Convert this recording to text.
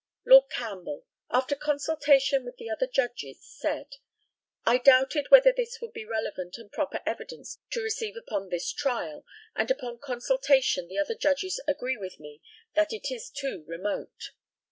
Lord CAMPBELL, after consultation with the other Judges, said: I doubted whether this would be relevant and proper evidence to receive upon this trial, and upon consultation the other Judges agree with me that it is too remote.